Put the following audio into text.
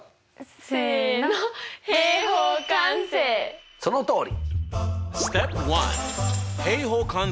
せのそのとおり！